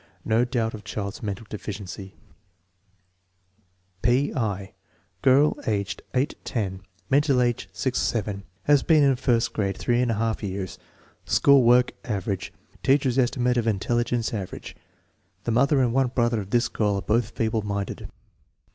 No doubt of child's mental deficiency, P. L Girl, age $ 10; mental age C> 7; has been in first grade 2% yearn; school work "average"; teacher's estimate of 'intelligence "aver age." The mother and one brother of this girl arc both feeble minded.